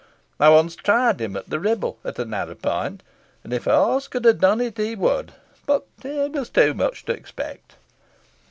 I once tried him at the Ribble, at a narrow point, and if horse could have done it, he would but it was too much to expect."